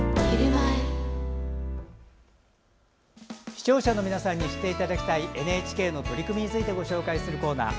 視聴者の皆さんに知っていただきたいＮＨＫの取り組みについてご紹介するコーナー